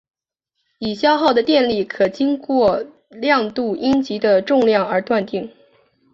已消耗的电力可经过量度阴极的重量而断定。